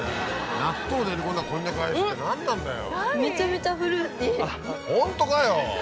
納豆練り込んだこんにゃくアイスって何なんだよ。